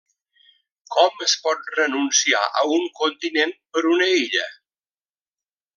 Com es pot renunciar a un continent per una illa?